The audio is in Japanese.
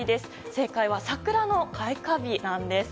正解は、桜の開花日です。